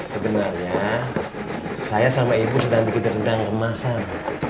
sebenarnya saya sama ibu sedang bikin rendang kemasan